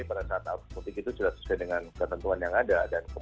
pada saat arus mudik itu sudah sesuai dengan ketentuan yang ada